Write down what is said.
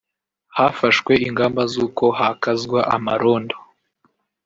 Hafashwe ingamba z’uko hakazwa amarondo